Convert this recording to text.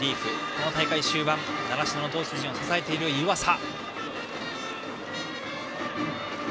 この大会終盤習志野の投手陣を支えている湯浅。